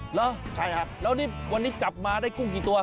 หรือแล้วนี้วันนี้จับมาได้กุ้งกี่ตัว